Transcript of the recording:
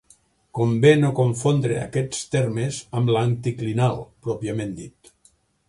Convé no confondre aquests termes amb l'anticlinal pròpiament dit.